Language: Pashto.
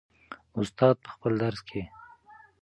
استاد په خپل درس کې.